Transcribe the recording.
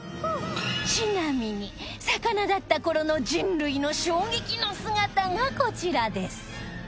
ちなみに魚だった頃の人類の衝撃の姿がこちらです